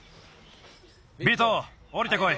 ビト下りてこい。